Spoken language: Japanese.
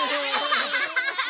アハハハハ！